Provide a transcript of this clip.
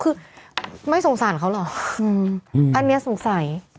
คือไม่สงสารเขาเหรออันนี้สงสัย